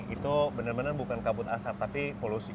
itu benar benar bukan kabut asap tapi polusi